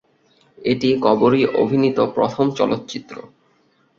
এটি কবরী অভিনীত প্রথম চলচ্চিত্র।